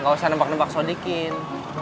nggak usah nebak nebak sodikin